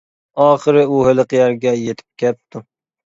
ئاخىرى ئۇ ھېلىقى يەرگە يېتىپ كەپتۇ.